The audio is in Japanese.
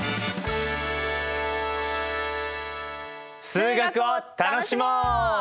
数学を楽しもう！